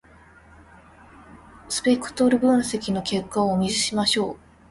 スペクトル分析の結果をお見せしましょう。